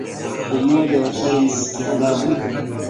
Umoja wa Falme za Kiarabu